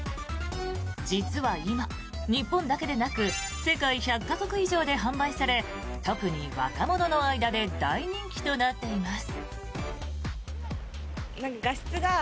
実は今、日本だけでなく世界１００か国以上で販売され特に若者の間で大人気となっています。